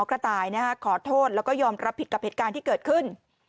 กระต่ายขอโทษแล้วก็ยอมรับผิดกับเหตุการณ์ที่เกิดขึ้น